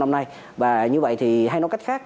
hôm nay và như vậy thì hay nói cách khác